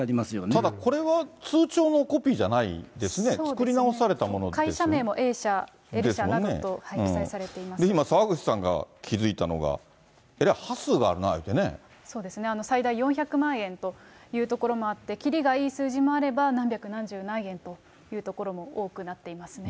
ただこれは、通帳のコピーじゃないですね、作り直されたもの会社名もＡ社、今、澤口さんが気付いたのが、そうですね、最大４００万円というところもあって、きりがいい数字もあれば、何百何十何円というところも多くなっていますね。